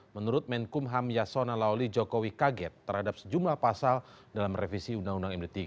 menurut menkumham yasona lawli jokowi kaget terhadap sejumlah pasal dalam revisi undang undang md tiga